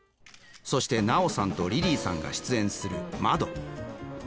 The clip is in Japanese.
そして奈緒さんとリリーさんが出演する「窓」。